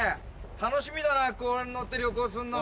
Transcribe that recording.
楽しみだなこれに乗って旅行すんの。